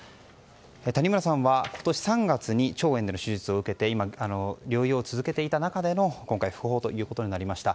谷村さんは今年３月に腸炎での手術を受けて療養を続けていた中での今回の訃報となりました。